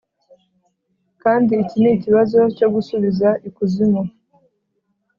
kandi iki nikibazo cyo gusubiza ikuzimu: